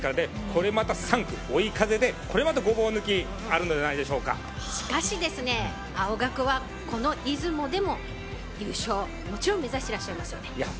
これまた３区、追い風でこれまたごぼう抜きしかし青学は、この出雲でも優勝、もちろん目指してらっしゃいますよね。